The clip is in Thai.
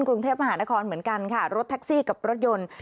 กรุงเทพมหานครเหมือนกันค่ะรถแท็กซี่กับรถยนต์